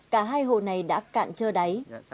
cả hai hồ này đã cạn trơ đáy